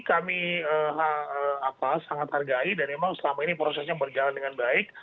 kami sangat hargai dan memang selama ini prosesnya berjalan dengan baik